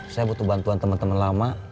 saya butuh bantuan teman teman lama